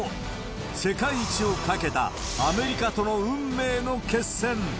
世界一を懸けたアメリカとの運命の決戦。